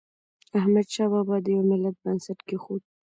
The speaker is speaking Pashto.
احمد شاه بابا د یو ملت بنسټ کېښود.